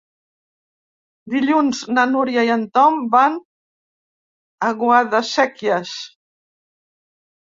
Dilluns na Núria i en Tom van a Guadasséquies.